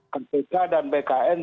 kpk dan bkn